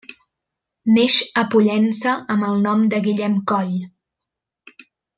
Neix a Pollença amb el nom de Guillem Coll.